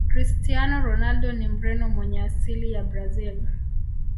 cristiano ronaldo ni mreno mwenye asili ya brazil